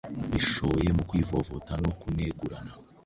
Bishoye mu kwivovota no kunegurana,